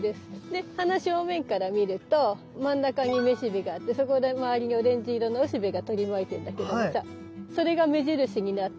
で花正面から見ると真ん中にめしべがあってそこの周りにオレンジ色のおしべが取り巻いてるんだけどもさそれが目印になって。